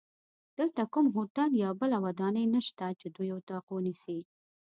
دلته کوم هوټل یا بله ودانۍ نشته چې دوی اتاق ونیسي.